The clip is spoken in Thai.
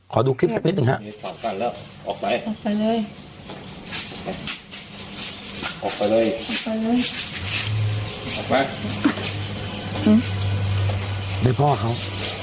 ดูคลิปสักนิดหนึ่งฮะ